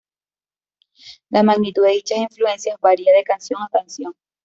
La magnitud de dichas influencias varía de canción a canción.